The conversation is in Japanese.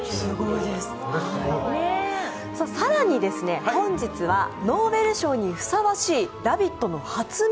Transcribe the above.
更に本日はノーベル賞にふさわしい「ラヴィット！」の発明